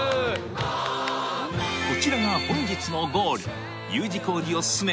こちらが本日のゴールＵ字工事おすすめ